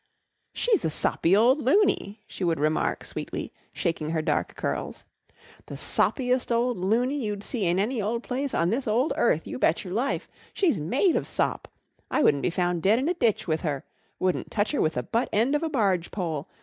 "She's a soppy old luny," she would remark sweetly, shaking her dark curls. "The soppiest old luny you'd see in any old place on this old earth, you betcher life! She's made of sop. I wouldn't be found dead in a ditch with her wouldn't touch her with the butt end of a bargepole.